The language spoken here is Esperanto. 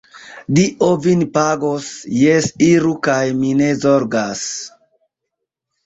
Dio vin pagos, jes, iru kaj mi ne zorgas.